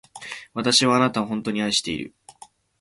私はあなたを、本当に愛している。